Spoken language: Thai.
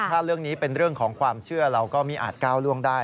ถ้าเรื่องนี้เป็นเรื่องของความเชื่อเราก็ไม่อาจก้าวล่วงได้